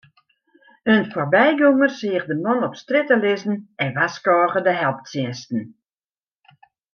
In foarbygonger seach de man op strjitte lizzen en warskôge de helptsjinsten.